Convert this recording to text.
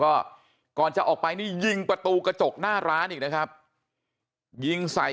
ก็ก่อนจะออกไปนี่ยิงประตูกระจกหน้าร้านอีกนะครับยิงใส่